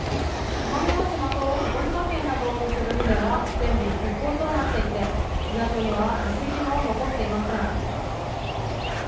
奄美大島と鹿児島県などを結ぶ船は全便、欠航となっていて港には１隻も残っていません。